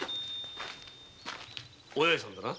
お八重さんだな。